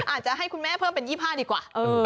อาจจะให้คุณแม่เพิ่มเป็น๒๕ดีกว่า